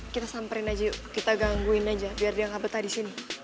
kita samperin aja kita gangguin aja biar dia nggak betah di sini